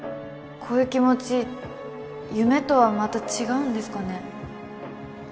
こういう気持ち夢とはまた違うんですかね？